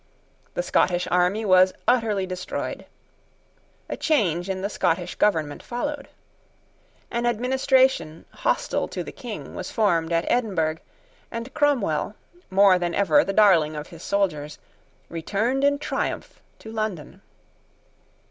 The Scottish army was utterly destroyed. A change in the Scottish government followed. An administration, hostile to the King, was formed at Edinburgh; and Cromwell, more than ever the darling of his soldiers, returned in triumph to London.